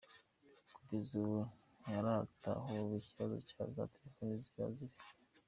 Kugeza ubu, ntiharatahurwa ikibazo izi telefoni zaba zifite.